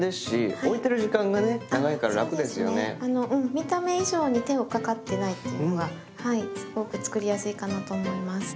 見た目以上に手をかかってないっていうのがすごく作りやすいかなと思います。